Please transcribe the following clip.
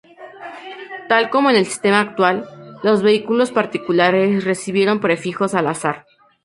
Tal como en el sistema actual, los vehículos particulares recibieron prefijos al azar.